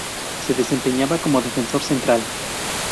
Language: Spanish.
Se desempeñaba como defensor central.